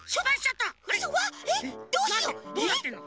どうなってんの？